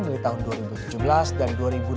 dari tahun dua ribu tujuh belas dan dua ribu delapan belas